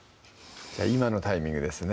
今のタイミングですね